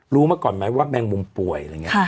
รู้มาก่อนไหมว่าแมงมุมป่วย